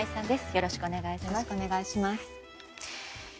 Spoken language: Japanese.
よろしくお願いします。